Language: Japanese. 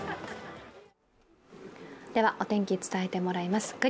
お天気伝えてもらいます。